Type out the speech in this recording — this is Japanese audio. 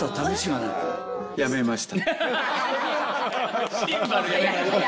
やめました。